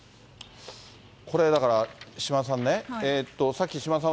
これ、だから島田さんね、さっき島田さん